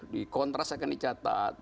di kontras akan dicatat